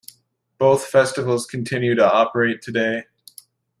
Both festivals continue to operate today.